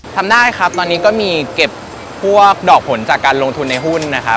ทำได้ครับตอนนี้ก็มีเก็บพวกดอกผลจากการลงทุนในหุ้นนะครับ